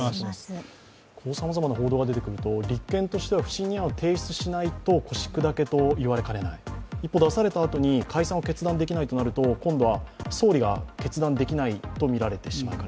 さまざまな報道が出てくると立憲としては不信任案を提出しないと腰砕けと言われかねない、一方、出されたあとに解散を決断できないとなると、今度は総理が決断できないとみられてしまう。